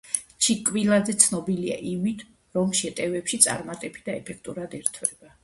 ჩიკვილაძე ცნობილია იმით, რომ შეტევებში წარმატებით და ეფექტურად ერთვება.